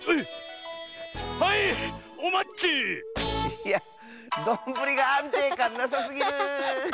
いやどんぶりがあんていかんなさすぎる！